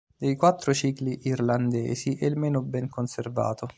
Dei quattro cicli irlandesi è il meno ben conservato.